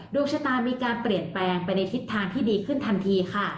ดวงชะตามีการเปลี่ยนแปลงไปในทิศทางที่ดีขึ้นทันทีค่ะ